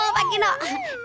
elah setuju sip pantas